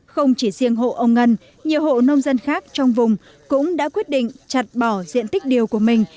không chỉ riêng hộ ông ngân nhiều hộ nông dân khác trong vùng cũng đã quyết định chặt bỏ diện tích điều của mình